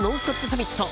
サミット。